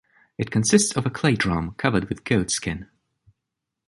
It consists of a clay drum covered with goat skin.